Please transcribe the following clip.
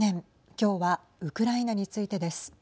今日はウクライナについてです。